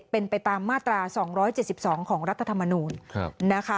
เป็นไปตามมาตรา๒๗๒ของรัฐธรรมนูลนะคะ